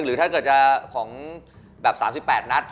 หรือถ้าเกิดจะของแบบ๓๘นัด